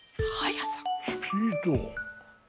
スピード？